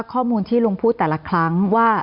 ข้อมูลที่ลุงพูดแต่ละครั้งว่า